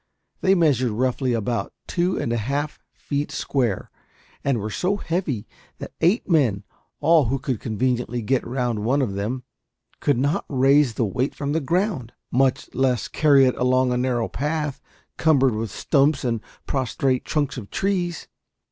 They measured, roughly, about two and a half feet square, and were so heavy that eight men all who could conveniently get round one of them could not raise the weight from the ground, much less carry it along a narrow path cumbered with stumps and prostrate trunks of trees.